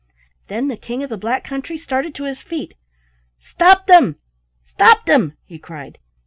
Then the King of the Black Country started to his feet. "Stop them! stop them!" he cried.